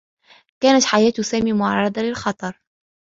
كانت حياة سامي معرّضة للخطر.